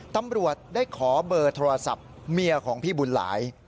ตำรวจได้ขอเบอร์โทรศัพท์เมียของพี่บุญหลาย